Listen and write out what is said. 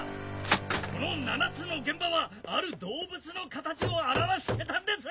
この７つの現場はある動物の形を表してたんです！